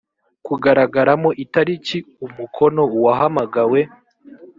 kugaragaramo itariki umukono w uwahamagawe